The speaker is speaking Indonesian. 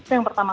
itu yang pertama